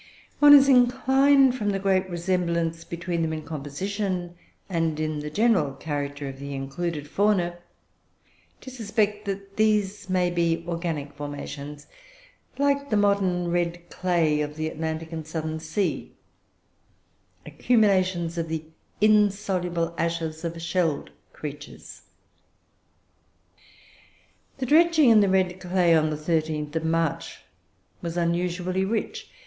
One is inclined, from the great resemblance between them in composition and in the general character of the included fauna, to suspect that these may be organic formations, like the modern red clay of the Atlantic and Southern Sea, accumulations of the insoluble ashes of shelled creatures. "The dredging in the red clay on the 13th of March was usually rich.